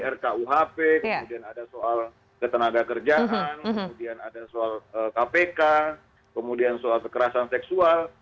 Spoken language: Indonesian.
rkuhp kemudian ada soal ketenaga kerjaan kemudian ada soal kpk kemudian soal kekerasan seksual